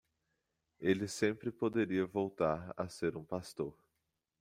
Ele sempre poderia voltar a ser um pastor.